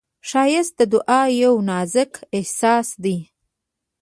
ښایست د دعا یو نازک احساس دی